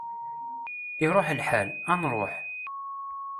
Iṛuḥ lḥal, ad nruḥ!